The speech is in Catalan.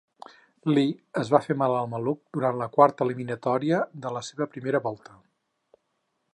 Lee es va fer mal al maluc durant la quarta eliminatòria de la seva primera volta.